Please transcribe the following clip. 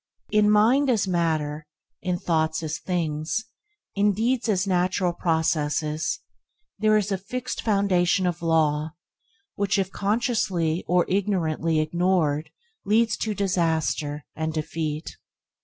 In mind as in matter, in thoughts as in things, in deeds as in natural processes, there is a fixed foundation of law which, if consciously or ignorantly ignored leads to disaster, and defeat.